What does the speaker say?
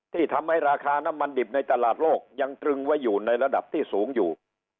ที่ทำให้ราคาน้ำมันดิบในตลาดโลกยังตรึงไว้อยู่ในระดับที่สูงอยู่